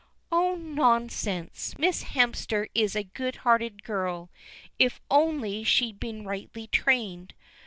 "Oh, nonsense! Miss Hemster is a good hearted girl if only she'd been rightly trained.